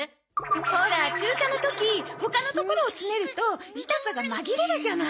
ほら注射の時他のところをつねると痛さが紛れるじゃない。